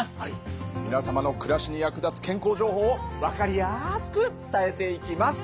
皆様の暮らしに役立つ健康情報を分かりやすく伝えていきます。